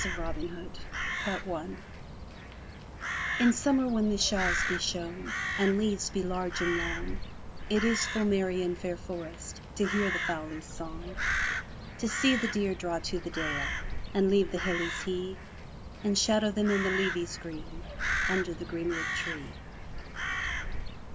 e>i*v llooJ In summer when the shawes^ be sheyne;^ And leaves be large and long, It is full merry e in fair foreste To hear the foulys' song. To see the deer draw to the dale And leave the hillies hee. And shadow them in the leavies green, Under the greenwood tree.